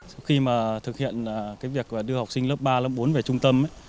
sau khi thực hiện việc đưa học sinh lớp ba lớp bốn về trung tâm